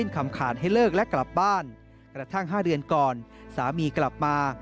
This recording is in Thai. กระทั่ง๕เดือนก่อนสามีกลับมา